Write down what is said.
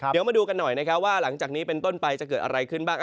เดี๋ยวมาดูกันหน่อยนะครับว่าหลังจากนี้เป็นต้นไปจะเกิดอะไรขึ้นบ้าง